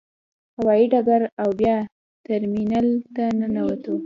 هوايي ډګر او بیا ترمینال ته ننوتو.